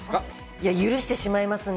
いや、許してしまいますね。